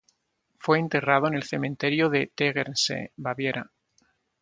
Fue enterrado en el Cementerio de Tegernsee, Baviera.